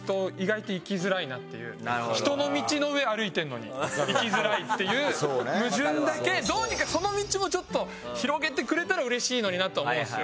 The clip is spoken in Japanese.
人の道の上歩いてるのに生きづらいっていう矛盾だけどうにかその道もちょっと広げてくれたら嬉しいのになと思うんですよ。